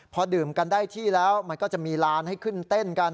พอดื่มกันได้ที่แล้วมันก็จะมีลานให้ขึ้นเต้นกัน